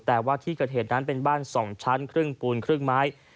แต่ว่าที่เกิดเหตุนั้นเป็นบ้าน๒ชั้นครึ่งปูนครึ่งไม้